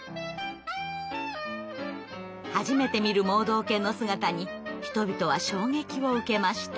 初めて見る盲導犬の姿に人々は衝撃を受けました。